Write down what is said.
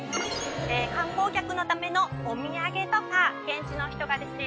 観光客のためのお土産とか現地の人がですね